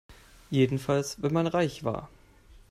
Jedenfalls wenn man reich war.